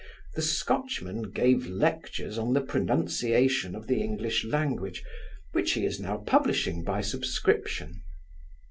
The Scotchman gives lectures on the pronunciation of the English language, which he is now publishing by subscription.